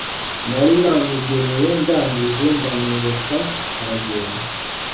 nari namugeneye ndangije ndanureka aragenda